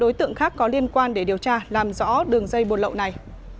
các có liên quan để điều tra làm rõ đường dây bột lậu này